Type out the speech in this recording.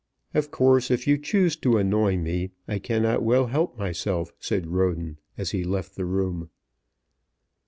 "Of course, if you choose to annoy me, I cannot well help myself," said Roden as he left the room.